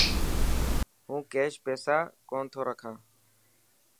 هون ڪيش پيسا ڪونه ٿو رکان.